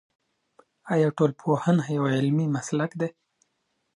آیا ټولنپوهنه یو علمي مسلک دی؟